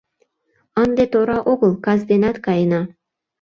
— Ынде тора огыл, кас денат каена.